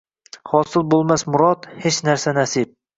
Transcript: Hosil bo’lmas murod, hech narsa nasib